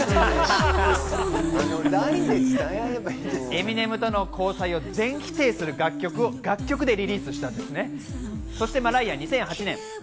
エミネムとの交際を全否定する楽曲をリリースしたんですよね。